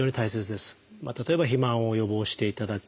例えば肥満を予防していただく。